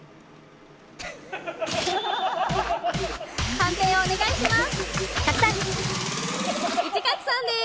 判定をお願いします。